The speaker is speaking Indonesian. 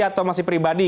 atau masih pribadi